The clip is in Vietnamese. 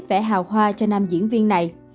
vẽ hào hoa cho nam diễn viên này